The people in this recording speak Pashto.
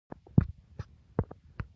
هغه ټوټې شوې ښيښه بيا د پخوا غوندې نه ښکاري.